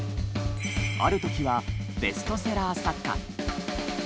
ある時はベストセラー作家。